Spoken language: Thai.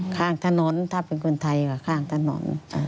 ข้างถนนถ้าเป็นคนไทยก็ข้างถนน